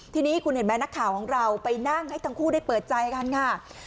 ทีนี้คุณเห็นไหมนักข่าวของเราไปนั่งให้ทั้งคู่ได้เปิดใจกันค่ะ